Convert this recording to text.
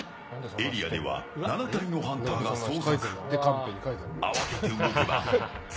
エリアでは７体のハンターが捜索。